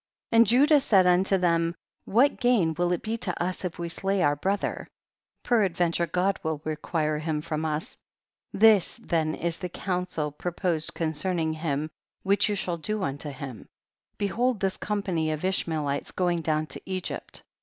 3. And Judah said unto them, what gain will it be to us if we slay our brother ? peradventure God will require him from us ; this then is the counsel proposed concerning him, which you shall do unto him ; be hold this company of Ishmaelites go ing down to Egvpt.